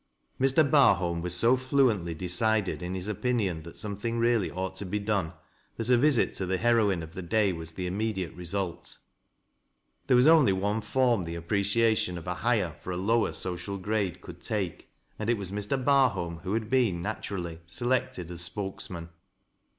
Mr. Barholm was so fluently decided in his opinion that something really ought to be done, that a visit to the liei o ine of the day was the immediate result. There was only one form the appreciation of a higher for a lower social grade could take, and it was Mr. Barholm who had been, naturally, selected as spokesman.